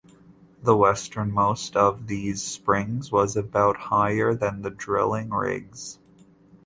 The westernmost of these springs was about higher than the drilling rigs.